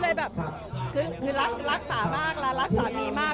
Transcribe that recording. เลยแบบคือรักป่ามากและรักสามีมาก